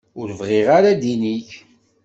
Ur bɣiɣ ara ddin-ik.